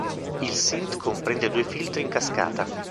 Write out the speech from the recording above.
Il synth comprende due filtri in cascata.